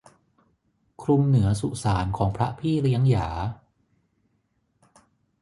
คลุมเหนือสุสานของพระพี่เลี้ยงหยา